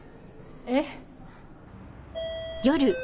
えっ？